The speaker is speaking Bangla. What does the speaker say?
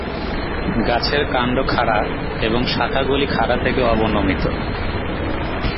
গাছের কান্ড খাড়া এবং শাখাগুলি খাড়া থেকে অবনমিত।